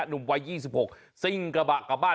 หนุ่มวัย๒๖ซิ่งกระบะกลับบ้าน